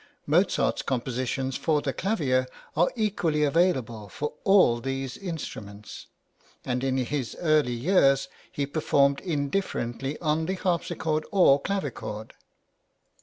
Mozart's compositions for the clavier are equally available for all these instruments, and in his early years he performed indifferently on the harpsichord or clavichord.